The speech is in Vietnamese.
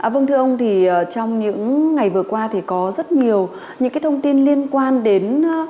vâng thưa ông trong những ngày vừa qua thì có rất nhiều những thông tin liên quan đến